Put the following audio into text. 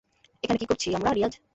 এখানে কী করছি আমরা, রিয়াজ?